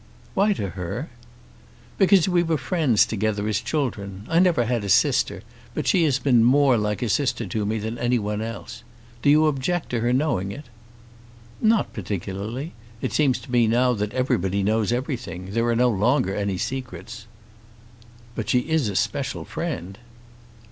"Why to her?" "Because we were friends together as children. I never had a sister, but she has been more like a sister to me than any one else. Do you object to her knowing it?" "Not particularly. It seems to me now that everybody knows everything. There are no longer any secrets." "But she is a special friend."